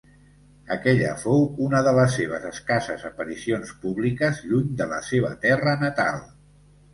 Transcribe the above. Aquella fou una de les seves escasses aparicions públiques lluny de la seva terra natal.